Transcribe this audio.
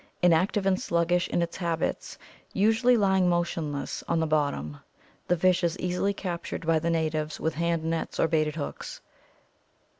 In active and sluggish in its habits, usually lying motionless on the bottom, the fish is easily captured by the natives with hand nets or baited hooks.